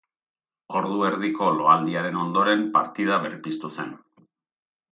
Ordu erdiko loaldiaren ondoren partida berpiztu zen.